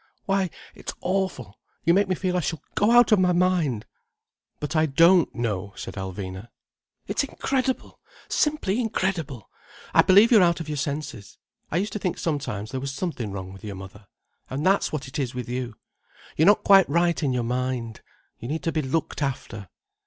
Why, it's awful. You make me feel I shall go out of my mind." "But I don't know," said Alvina. "It's incredible! Simply incredible! I believe you're out of your senses. I used to think sometimes there was something wrong with your mother. And that's what it is with you. You're not quite right in your mind. You need to be looked after."